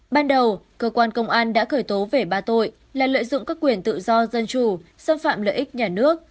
ban đầu cơ quan công an đã khởi tố về ba tội là lợi dụng các quyền tự do dân chủ xâm phạm lợi ích nhà nước